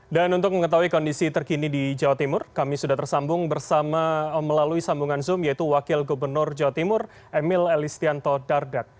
dan untuk mengetahui kondisi terkini di jawa timur kami sudah tersambung bersama melalui sambungan zoom yaitu wakil gubernur jawa timur emil elistianto dardat